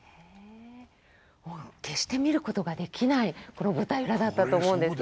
もう決して見ることができないこの舞台裏だったと思うんですけど。